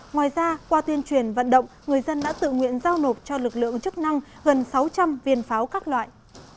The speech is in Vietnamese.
ngoài ra qua tuyên truyền vận động người dân đã tự nguyện giao nộp cho lực lượng chức năng gần sáu trăm linh viên pháo các loại